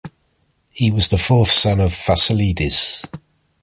He was the fourth son of Fasilides.